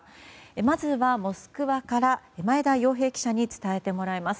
まずは、モスクワから前田洋平記者に伝えてもらいます。